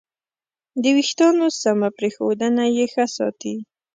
د وېښتیانو سمه پرېښودنه یې ښه ساتي.